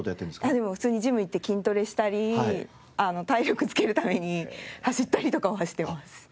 でも普通にジム行って筋トレしたり体力つけるために走ったりとかはしてます。